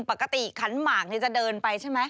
ขันหมากจะเดินไปใช่ไหม